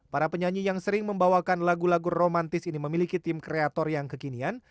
para penyanyi yang sering membawakan lagu lagu romantis ini memiliki tim kreator yang kekinian